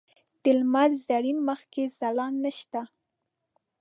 د لمر زرین مخ کې ځلا نشته